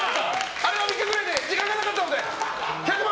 あれは３日くらいで時間がなかったので、１００万！